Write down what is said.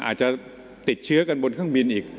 อาจจะติดเชื้อกันบนเครื่องบินอีก